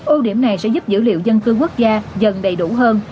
ưu điểm này sẽ giúp dữ liệu dân cư quốc gia dần đầy đủ hơn